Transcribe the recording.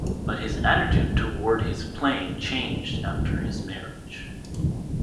But his attitude toward his playing changed after his marriage.